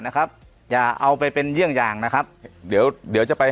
นะครับอย่าเอาไปเป็นเยี่ยงอย่างนะครับเดี๋ยวเดี๋ยวจะไป